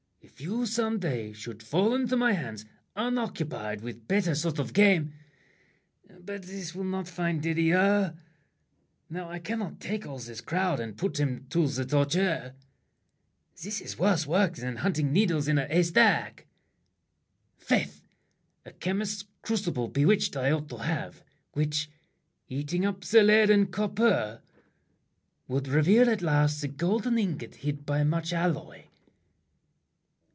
If you some day should fall into my hands Unoccupied with better sort of game— But this will not find Didier! Now, I can't Take all this crowd and put them to the torture. This is worse work than hunting needles in A haystack. Faith! a chemist's crucible Bewitched I ought to have, which, eating up The lead and copper, would reveal at last The golden ingot hid by much alloy.